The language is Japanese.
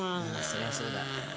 そりゃそうだ。